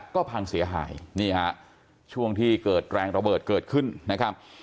ก็พังเสียหายนี่ฮะช่วงที่เกิดแรงระเบิดเกิดขึ้นนะครับ